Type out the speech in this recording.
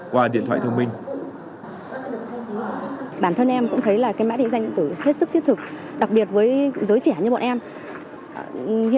qua điện thoại thông minh